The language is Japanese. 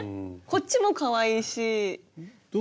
こっちもかわいいし。